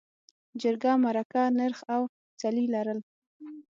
جرګه، مرکه، نرخ او څلي لرل.